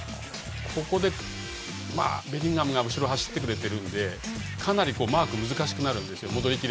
ここ、ベリンガムが後ろに走ってくれているのでかなりマーク難しくなるんですよ。